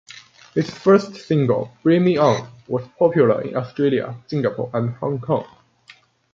His first single, "Bring Me On", was popular in Australia, Singapore, and Hong Kong.